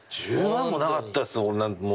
１０万もなかったですよ。